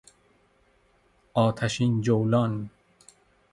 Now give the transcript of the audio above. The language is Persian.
آتشین جولان